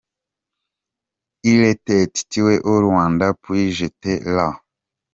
Il a été tué au Rwanda puis jeté là.